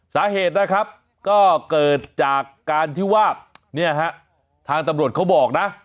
สาเหตุนะครับก็เกิดจากการที่ว่าเนี่ยฮะทางตำรวจเขาบอกนะ